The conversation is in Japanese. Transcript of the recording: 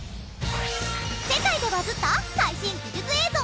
世界でバズった最新技術映像をお届け！